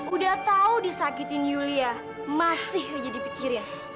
udah tahu disakitin yulia masih aja dipikir ya